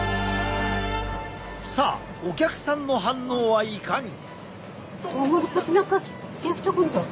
さあお客さんの反応はいかに？